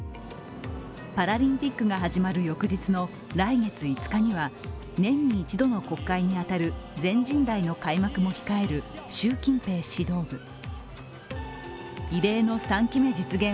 パラリンピックが始まる翌日の来月５日には年に一度の国会に当たる全人代の開幕も控える習近平指導部。